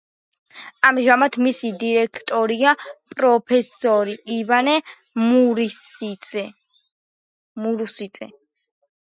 ამჟამად მისი დირექტორია პროფესორი ივანე მურუსიძე.